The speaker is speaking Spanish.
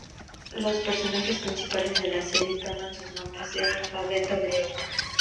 Los personajes principales de la serie toman sus nombres del alfabeto griego.